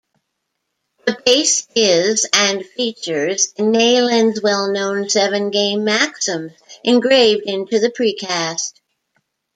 The base is and features Neyland's well-known seven Game Maxims engraved into the precast.